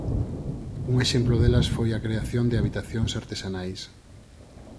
Un exemplo delas foi a creación de habitacións artesanais.